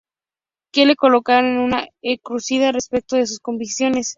Que lo colocan en una encrucijada respecto de sus convicciones.